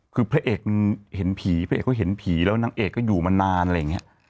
คือพระเอกมันเห็นผีพระเอกเขาเห็นผีแล้วนางเอกก็อยู่มานานอะไรอย่างนี้